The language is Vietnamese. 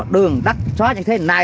đường đắt xóa như thế này